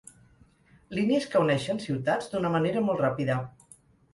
Línies que uneixen ciutats d'una manera molt ràpida.